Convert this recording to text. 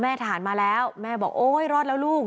ทหารมาแล้วแม่บอกโอ๊ยรอดแล้วลูก